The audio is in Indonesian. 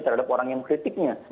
terhadap orang yang kritiknya